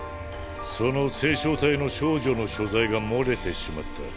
その星漿体の少女の所在が漏れてしまった。